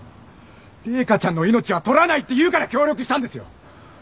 麗華ちゃんの命は取らないって言うから協力したんですよ！